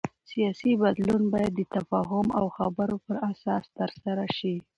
سیاسي بدلون باید د تفاهم او خبرو پر اساس ترسره شي